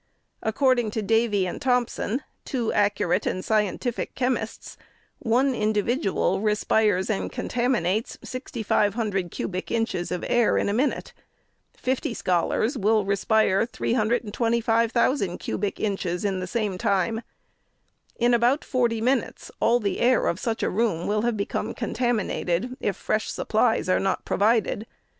According to Davy and Thompson, two accurate and scientific chemists, one indi vidual respires and contaminates 6,500 cubic inches of air in a minuto. Fifty scholars will respire 325,000 cubic inches in the same time. In about forty minutes, all the air of such a room will have become con taminated, if fresh supplies are not provided.